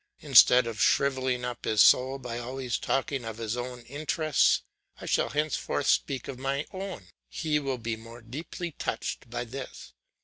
Instead of shrivelling up his soul by always talking of his own interests, I shall henceforth speak of my own; he will be more deeply touched by this.